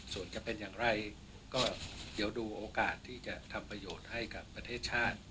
ส่วนจะเป็นอย่างไรก็เดี๋ยวดูโอกาสที่จะทำประโยชน์ให้กับประเทศชาติ